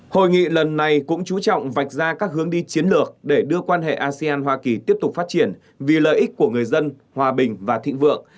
hội nghị lần này cũng chú trọng vạch ra các hướng đi chiến lược để đưa quan hệ asean hoa kỳ tiếp tục phát triển vì lợi ích của người dân hòa bình và thịnh vượng